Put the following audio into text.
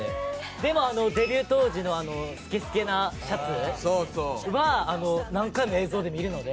でもあのデビュー当時のスケスケなシャツは何回も映像で見るので。